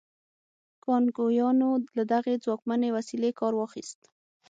کانګویانو له دغې ځواکمنې وسیلې کار واخیست.